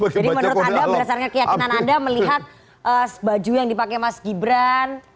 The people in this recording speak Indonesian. jadi menurut anda berdasarkan keyakinan anda melihat baju yang dipakai mas gibran